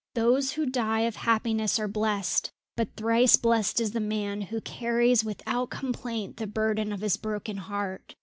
"Those who die of happiness are blessed, but thrice blessed is the man who carries without complaint the burden of his broken heart.